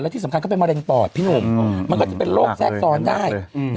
ที่สำคัญเขาเป็นมะเร็งปอดพี่หนุ่มมันก็จะเป็นโรคแทรกซ้อนได้